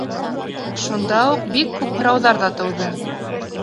Шунда уҡ бик күп һорауҙар ҙа тыуҙы.